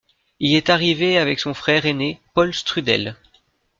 Il y est arrivé avec son frère aîné Paul Strudel.